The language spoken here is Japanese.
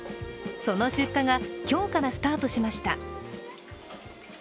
その出荷が今日からスタートしました。